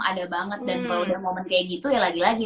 ada banget dan kalau udah momen kayak gitu ya lagi lagi